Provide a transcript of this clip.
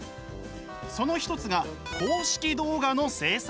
その一つが公式動画の制作。